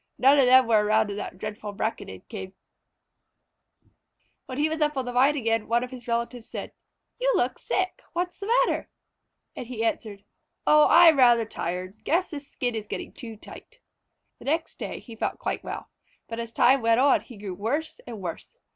None of them were around when that dreadful Braconid came." When he was up on the vine again, one of his relatives said: "You look sick. What is the matter?" And he answered: "Oh, I am rather tired. Guess this skin is getting too tight." The next day he felt quite well, but as time went on he grew worse and worse.